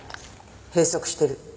閉塞してる。